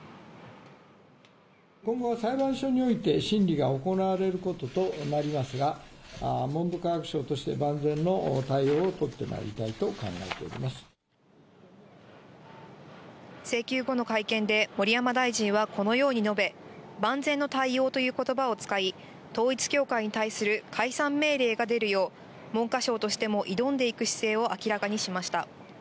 今後は裁判所において審理が行われることとなりますが、文部科学省として、万全の対応を請求後の会見で、盛山大臣はこのように述べ、万全の対応ということばを使い、統一教会に対する解散命令が出るよう、文科省としても挑んでいく姿勢を明らかにしました。